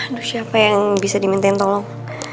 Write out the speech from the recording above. aduh siapa yang bisa dimintain tolong